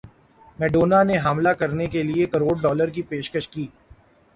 Madonna نے حاملہ کرنے کیلئے کروڑ ڈالر کی پیشکش کی